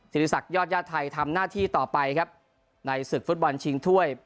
ริศักดิยอดญาติไทยทำหน้าที่ต่อไปครับในศึกฟุตบอลชิงถ้วย